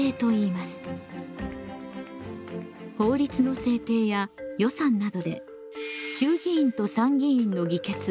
法律の制定や予算などで衆議院と参議院の議決